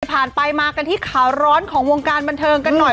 ผ่านไปมากันที่ข่าวร้อนของวงการบันเทิงกันหน่อย